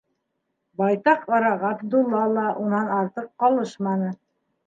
Байтаҡ ара Ғабдулла ла унан артыҡ ҡалышманы.